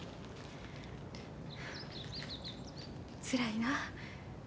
つらいな。